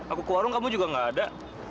aku ke warung kamu juga gak ada